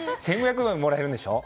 １５００円もらえるんでしょ？